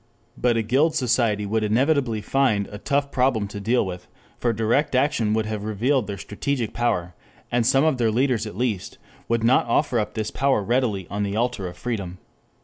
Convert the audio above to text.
But a guild society would inevitably find them a tough problem to deal with, for direct action would have revealed their strategic power, and some of their leaders at least would not offer up this power readily on the altar of freedom.